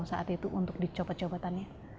saat itu untuk dicobot cobotannya